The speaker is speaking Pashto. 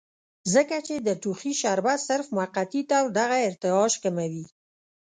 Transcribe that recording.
ځکه چې د ټوخي شربت صرف وقتي طور دغه ارتعاش کموي